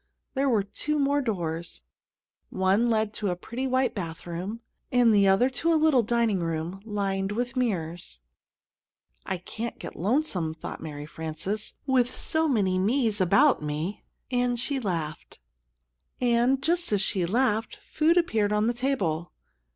There were two more doors; one led to a pretty white bathroom, and the other to a little dining room, lined with mirrors. "I can't get lonesome," thought Mary Frances, "with so many 'me's' about me;" and she laughed, and, just as she laughed, food appeared on the table.